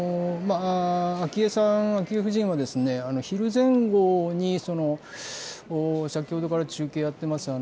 昭恵さん、昭恵夫人は、昼前後に先ほどから中継やっています